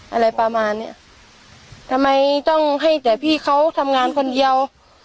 อะไรประมาณเนี้ยทำไมต้องให้แต่พี่เขาทำงานคนเดียว